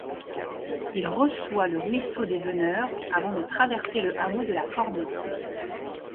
Il reçoit le ruisseau des Veneurs avant de traverser le hameau de La Cornette.